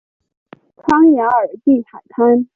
康雅尔蒂海滩。